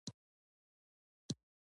د تجارت وده اقتصاد ته ځواک ورکوي.